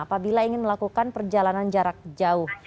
apabila ingin melakukan perjalanan jarak jauh